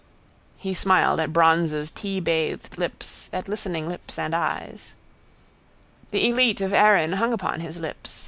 He smiled at bronze's teabathed lips, at listening lips and eyes: —The élite of Erin hung upon his lips.